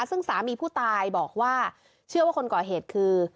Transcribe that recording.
ซึ่งสามีผู้ตายบอกว่าเชื่อว่าคนก่อเหตุคือ